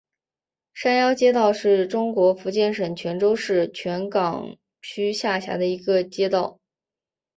山腰街道是中国福建省泉州市泉港区下辖的一个街道。